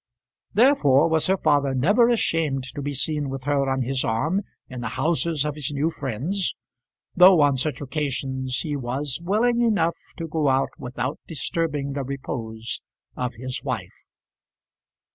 Therefore was her father never ashamed to be seen with her on his arm in the houses of his new friends, though on such occasions he was willing enough to go out without disturbing the repose of his wife.